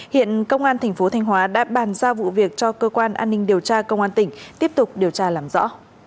hiện công an tp thanh hóa đã bàn ra vụ việc cho cơ quan an ninh điều tra công an tỉnh tiếp tục điều tra làm rõ